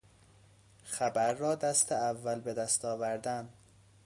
خبر را دست اول بدست آوردن